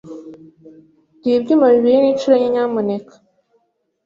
Duhe ibyuma bibiri ninshuro enye, nyamuneka.